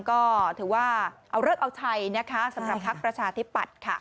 ก็ถือว่าเอาเลิกเอาชัยนะคะสำหรับภักดิ์ประชาธิปัตย์ค่ะ